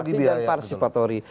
kolaborasi dan parsipatori